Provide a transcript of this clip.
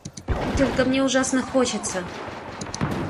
Только мне ужасно хочется.